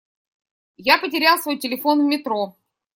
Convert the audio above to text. Я потерял свой телефон в метро.